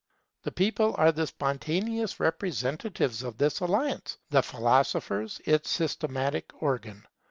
The people are the spontaneous representatives of this alliance; the philosophers its systematic organ.